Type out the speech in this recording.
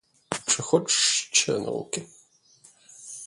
Чи хочеш ще науки?